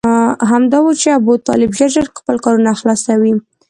همدا و چې ابوطالب ژر ژر خپل کارونه خلاصوي.